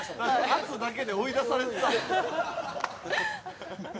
圧だけで追い出されてたもんな。